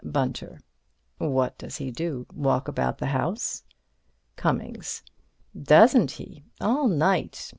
Bunter: What does he do? Walk about the house? Cummings: Doesn't he? All night.